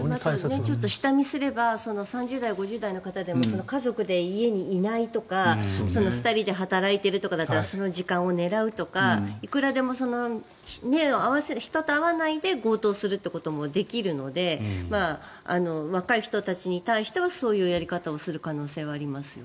ちょっと下見すれば３０代、５０代の方でも家族で家にいないとか２人で働いているとかだったらその時間を狙うとかいくらでも人と会わないで強盗することもできるので若い人たちに対してはそういうやり方をする可能性はありますよね。